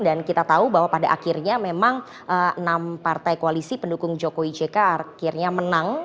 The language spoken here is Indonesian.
dan kita tahu bahwa pada akhirnya memang enam partai koalisi pendukung jokowi jk akhirnya menang